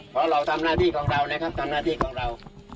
เพราะเราทำหน้าที่ของเรานะครับทำหน้าที่ของเรา